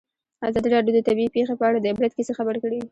ازادي راډیو د طبیعي پېښې په اړه د عبرت کیسې خبر کړي.